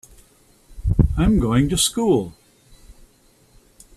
I'm going to school.